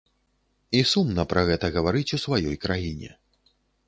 І сумна пра гэта гаварыць у сваёй краіне.